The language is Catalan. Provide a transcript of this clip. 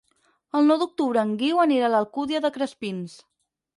El nou d'octubre en Guiu anirà a l'Alcúdia de Crespins.